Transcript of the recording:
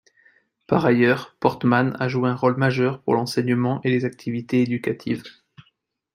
Par ailleurs, Portmann a joué un rôle majeur pour l’enseignement et les activités éducatives.